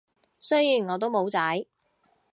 雖然我都冇仔